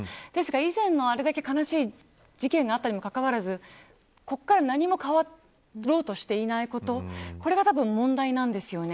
以前のあれだけ悲しい事件があったにもかかわらずここから何も変わろうとしていないことこれがたぶん問題なんですよね。